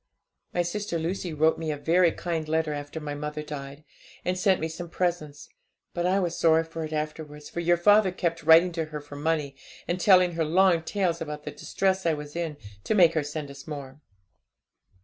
'My sister Lucy wrote me a very kind letter after my mother died, and sent me some presents; but I was sorry for it afterwards, for your father kept writing to her for money, and telling her long tales about the distress I was in, to make her send us more.